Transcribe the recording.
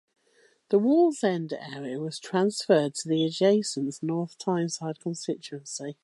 The Wallsend area was transferred to the adjacent North Tyneside constituency.